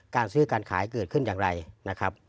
การซื้อการขายเกิดขึ้นอย่างไรนะครับ